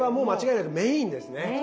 メインです。